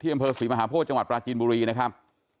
อำเภอศรีมหาโพธิจังหวัดปราจีนบุรีนะครับ